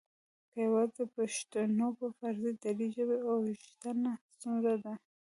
که یواځې د پښتنو په فارسي دري ژبې اوښتنه ستونزه ده؟